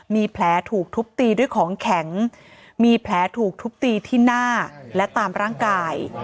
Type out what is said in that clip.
มีแผลถูกทุบตีด้วยของแข็งมีแผลถูกทุบตีที่หน้าและตามร่างกาย